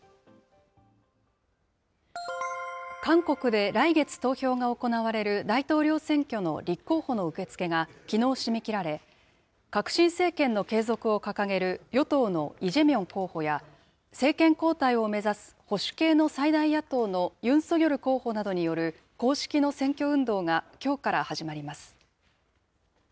韓国で来月投票が行われる、大統領選挙の立候補の受け付けがきのう締め切られ、革新政権の継続を掲げる、与党のイ・ジェミョン候補や、政権交代を目指す保守系の最大野党のユン・ソギョル候補などによる公式の選挙運動が、きょうから始まります。